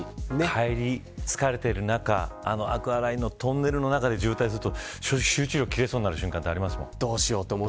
帰り、疲れている中アクアラインのトンネルの中で渋滞すると集中力が切れそうになる瞬間があります。